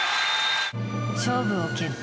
勝負を決定